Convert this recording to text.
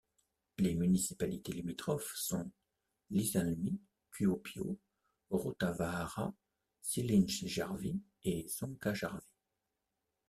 Les municipalités limitrophes sont Iisalmi, Kuopio, Rautavaara, Siilinjärvi et Sonkajärvi.